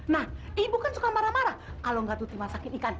nah ibu kan suka marah marah kalau enggak tuti masakin ikan